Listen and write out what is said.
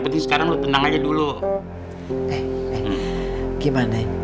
penting sekarang lu tenang aja dulu gimana